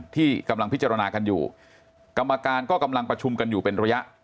ที่กำลังพิจารณากันอยู่กรรมการก็กำลังประชุมกันอยู่เป็นระยะ